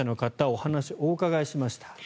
お話をお伺いしました。